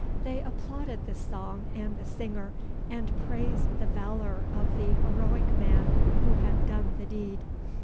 They applauded the song and the singer, and praised the valor of the heroic man who had done the deed.